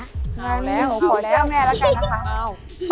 เอาแล้วเอาแล้วแม่ละกันนะคะ